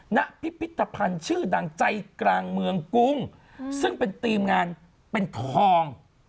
ณพิพิธภัณฑ์ชื่อดังใจกลางเมืองกรุงซึ่งเป็นทีมงานเป็นทอง